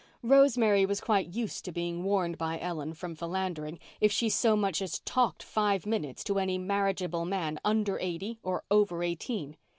Rosemary was quite used to being warned by Ellen from philandering if she so much as talked five minutes to any marriageable man under eighty or over eighteen.